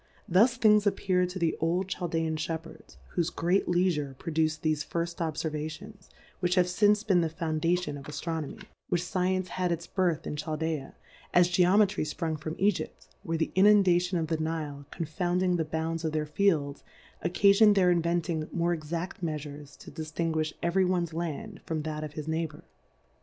Thus things appeared to the Old ChaU daan Shepheids, whofe great Leifure produced thefc firft Obf^rvations, which have fince been the Foundation of Aftro nomy ; 1 4 DifcouiTes on the nomy ; which Science had its Birth in Cbaldaa^ as Geometry fprung from Egypj where the Inundation of the Nile confounding the Bounds of their Fields, occafionM their inventing more exaft Meafures to diftinguilli every ones Land from that of his Neighbour.